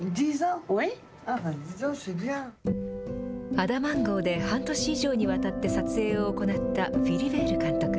アダマン号で半年以上にわたって撮影を行ったフィリベール監督。